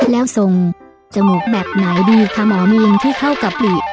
แล้วทรงจมูกแบบไหนดีคะหมอมีนที่เข้ากับหลี